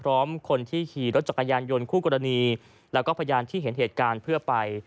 พร้อมคนที่ขี่รถจักรยานยนต์คู่กรณีแล้วก็พยานที่เห็นเหตุการณ์เพื่อไป